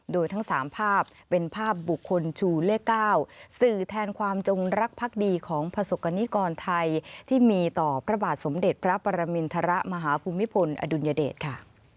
โดยทั้ง๓ภาพเป็นภาพบุคคลชูเลข๙สื่อแทนความจงรักพักดีของประสบกรณิกรไทยที่มีต่อพระบาทสมเด็จพระปรมินทรมาฮภูมิพลอดุลยเดชค่ะ